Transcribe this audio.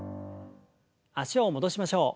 脚を戻しましょう。